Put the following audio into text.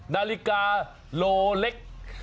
นาฬิกาโลเล็ก